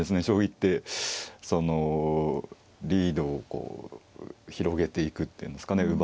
将棋ってリードをこう広げていくっていうんですかね